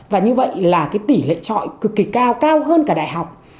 và như vậy là cái tỷ lệ trọi cực kỳ cao cao hơn cả đại học